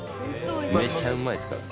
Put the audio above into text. めっちゃうまいですから。